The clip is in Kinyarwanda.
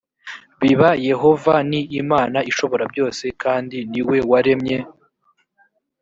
biba yehova ni imana ishoborabyose kandi ni we waremye